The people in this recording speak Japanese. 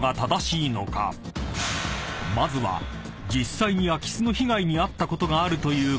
［まずは実際に空き巣の被害に遭ったことがあるという］